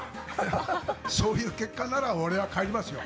そういう結果なら俺は帰りますよ。